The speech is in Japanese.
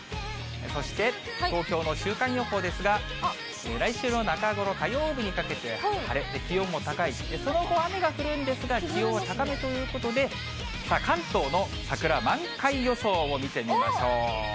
そして、東京の週間予報ですが、来週の中頃、火曜日にかけて晴れ、気温も高い、その後雨が降るんですが、気温は高めということで、さあ、関東の桜満開予想を見てみましょう。